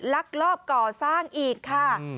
ลักลอบก่อสร้างอีกค่ะ